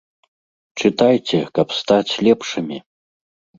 Чытайце, каб стаць лепшымі.